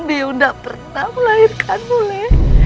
biung gak pernah melahirkanmu le